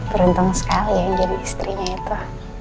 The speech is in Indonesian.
beruntung sekali ya jadi istrinya itu